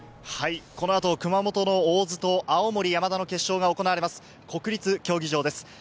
この後、熊本の大津と青森山田の決勝が行われます、国立競技場です。